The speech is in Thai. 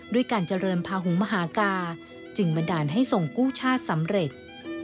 ด้วยการเจริญพาหุงมหากาจึงบันดาลให้ส่งกู้ชาติสำเร็จ